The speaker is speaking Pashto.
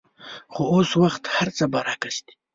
خو اوس وخت هرڅه برعکس دي.